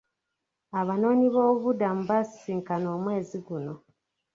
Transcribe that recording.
Abanoonyiboobubudamu baasisinkana omwezi guno.